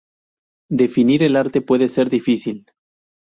Definir el arte puede ser difícil.